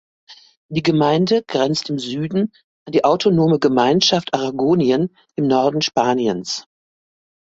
Die Gemeinde grenzt im Süden an die Autonome Gemeinschaft Aragonien im Norden Spaniens.